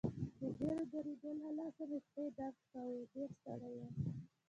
د ډېرې درېدو له لاسه مې پښې درد کاوه، ډېر ستړی وم.